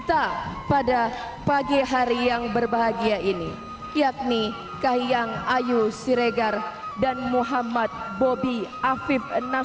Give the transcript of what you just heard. kata kata sekarang gue pasti kebisa untuk kadang kadangmu dan dan selecting